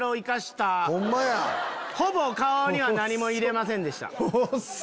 ほぼ顔には何も入れませんでした。